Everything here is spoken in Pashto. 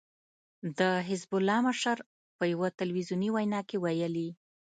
د حزب الله مشر په يوه ټلويزیوني وينا کې ويلي